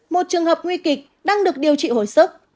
một trường hợp nguy kịch đang được điều trị hồi sức